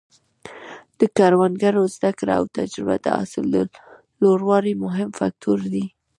د کروندګرو زده کړه او تجربه د حاصل د لوړوالي مهم فکتور دی.